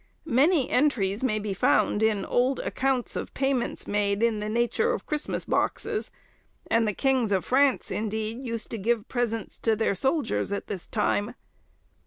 Many entries may be found in old accounts of payments made in the nature of Christmas boxes, and the kings of France indeed used to give presents to their soldiers at this time.